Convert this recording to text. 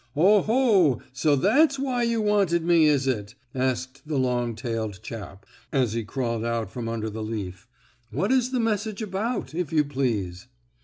"Oh, ho! So that's why you wanted me, is it?" asked the long tailed chap, as he crawled out from under the leaf. "What is the message about, if you please?"